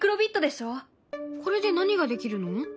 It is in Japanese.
これで何ができるの？